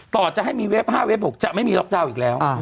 ต่อจะให้มีเว็บ๕เว็บ๖จะไม่มีล็อกดาวน์อีกแล้ว